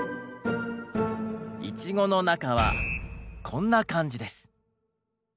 イチゴの中はこんな感じです。